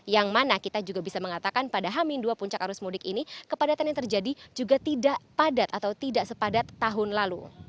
yang mana kita juga bisa mengatakan pada hamin dua puncak arus mudik ini kepadatan yang terjadi juga tidak padat atau tidak sepadat tahun lalu